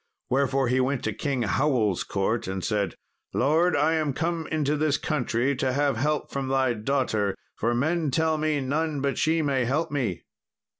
Wherefore he went to King Howell's court, and said, "Lord, I am come into this country to have help from thy daughter, for men tell me none but she may help me."